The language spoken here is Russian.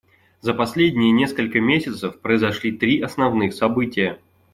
За последние несколько месяцев произошли три основных события.